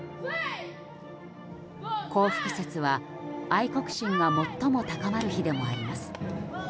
光復節は愛国心が最も高まる日でもあります。